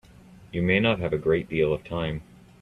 You may not have a great deal of time.